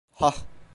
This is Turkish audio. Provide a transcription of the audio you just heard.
Hah…